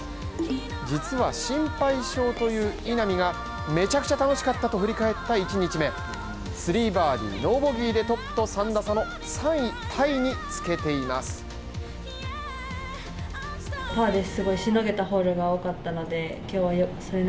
実は心配性という稲見がめちゃくちゃ楽しかったと振り返った１日目３バーディーノーボギーでトップと３打差の３位タイにつけています。